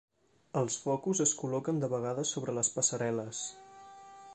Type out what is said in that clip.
Els focus es col·loquen de vegades sobre les passarel·les.